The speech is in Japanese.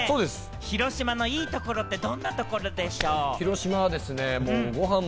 広島のいいところって、どんなところでしょう？